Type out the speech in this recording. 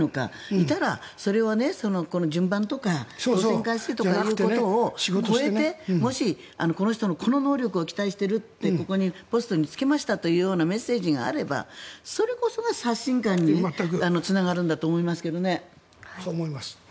いたらそれは順番とか当選回数とかを超えてもしこの人のこの能力を期待してこのポストに就けましたっていうメッセージがあれば、それこそが刷新感につながるんだと思いますけどね。